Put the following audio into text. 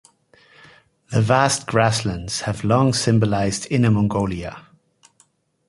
The vast grasslands have long symbolised Inner Mongolia.